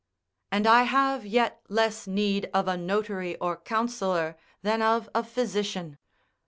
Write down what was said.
And I have yet less need of a notary or counsellor than of a physician.